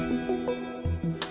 terima kasih om